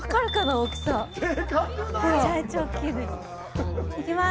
大きさ。ほらっ。いきます！